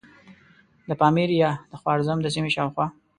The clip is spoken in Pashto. د پامیر یا د خوارزم د سیمې شاوخوا.